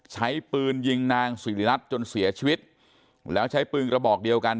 ใช้ปืนยิงนางสิริรัตน์จนเสียชีวิตแล้วใช้ปืนกระบอกเดียวกัน